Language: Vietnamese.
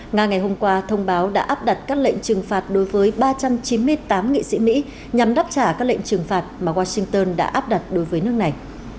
nga ngày hôm qua thông báo đã áp đặt các lệnh trừng phạt đối với ba trăm chín mươi tám nghị sĩ mỹ nhằm đáp trả các lệnh trừng phạt mà washington đã áp đặt đối với nước này